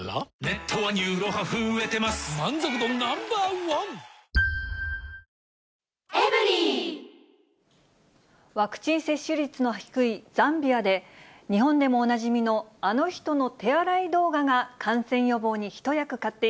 ワクチン接種率の低いザンビアで、日本でもおなじみのあの人の手洗い動画が感染予防に一役買ってい